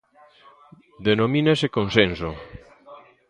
Denomínase Consenso.